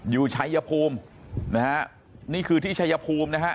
อยู่ชัยภูมินะฮะนี่คือที่ชัยภูมินะฮะ